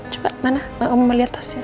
coba mana bapak om melihat tasnya